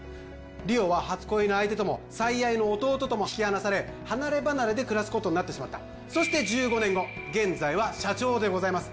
梨央は初恋の相手とも最愛の弟とも引き離され離ればなれで暮らすことになってしまったそして１５年後現在は社長でございます